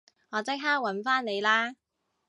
我即刻搵返你啦